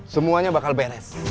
semuanya bakal beres